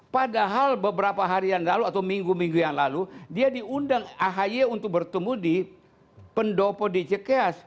padahal beberapa hari yang lalu atau minggu minggu yang lalu dia diundang ahy untuk bertemu di pendopo di cks